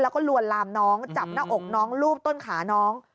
แล้วก็ลวนลามน้องจับหน้าอกน้องลูบต้นขาน้อง